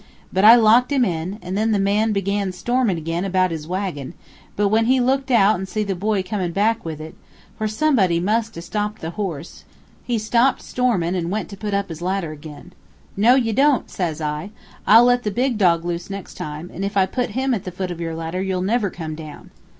But I locked him in, and then the man began stormin' again about his wagon; but when he looked out an' see the boy comin' back with it, for somebody must 'a' stopped the horse, he stopped stormin' and went to put up his ladder ag'in. 'No, you don't,' says I; 'I'll let the big dog loose next time, and if I put him at the foot of your ladder, you'll never come down.'